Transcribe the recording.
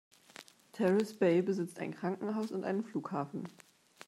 Terrace Bay besitzt ein Krankenhaus und einen Flughafen.